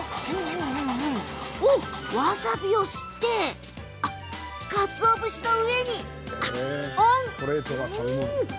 わさびを、すってかつお節の上にオン。